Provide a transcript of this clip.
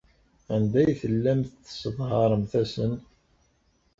Anda ay tellamt tesseḍharemt-asen?